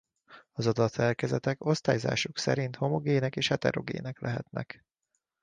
Az adatszerkezetek osztályozásuk szerint homogének és heterogének lehetnek.